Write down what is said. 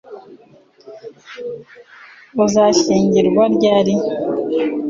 Uzashyingirwa ryari